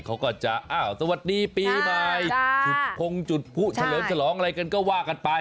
เขาก็จะอ้าวสวัสดีปีใหม่จุดพงจุดผู้เฉลิมฉลองอะไรกันก็ว่ากันไป